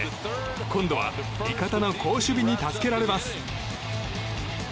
今度は味方の好守備に助けられます。